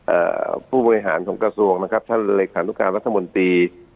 เอ่อผู้บริหารของกระทรวงนะครับท่านเลขานุการรัฐมนตรี